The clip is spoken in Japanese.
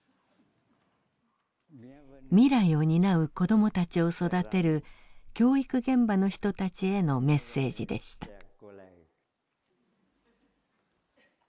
未来を担う子どもたちを育てる教育現場の人たちへのメッセージでした。